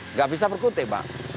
nggak bisa perkutik pak